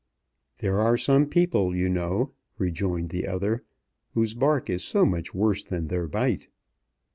"There are some people, you know," rejoined the other, "whose bark is so much worse than their bite."